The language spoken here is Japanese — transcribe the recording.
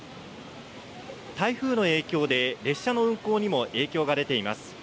台風の影響で列車の運行にも影響が出ています。